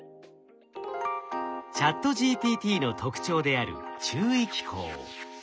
ＣｈａｔＧＰＴの特徴である注意機構。